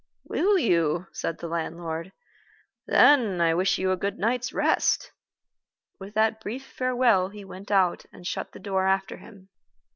"Will you?" said the landlord. "Then I wish you a good night's rest." With that brief farewell he went out and shut the door after him.